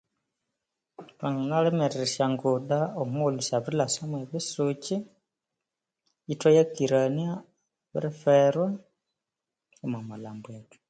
Thwanganalimirira esyanguda omughulhu syabirilhasa mwe bisukyi ithwayakirania ababirifwerwa omwa malhambwethu